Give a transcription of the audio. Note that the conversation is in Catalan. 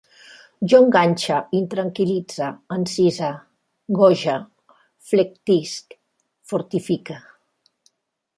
Jo enganxe, intranquil·litze, encise, goge, flectisc, fortifique